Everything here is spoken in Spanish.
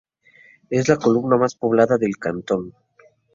Es la comuna más poblada del cantón.